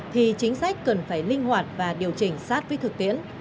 thì chính sách cần phải linh hoạt và điều chỉnh sát với thực tiễn